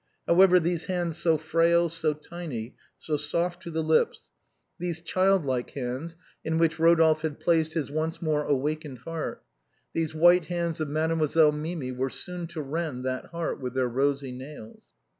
How ever, these hands so frail, so tiny, so soft to the lips ; these child like hands in which Eodolphe had placed his once more awakened heart; these white hands of Mademoiselle Mimi were soon to rend that heart with their rosy nails.